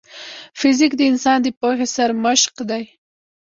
فزیک د انسان د پوهې سرمشق دی.